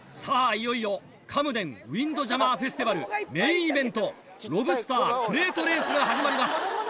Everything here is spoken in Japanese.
いよいよカムデンウィンドジャマーフェスティバルメインイベントロブスタークレートレースが始まります。